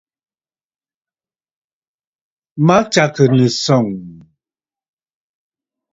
Matsàgə̀ nɨ̀sɔ̀ŋ.